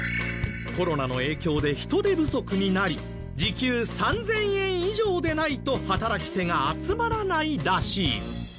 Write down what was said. コロナの影響で人手不足になり時給３０００円以上でないと働き手が集まらないらしい。